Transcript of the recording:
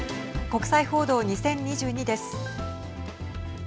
国際報道２０２２です。